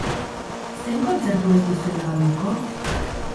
Zein kontzertu ez duzue galduko?